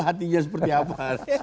hatinya seperti apa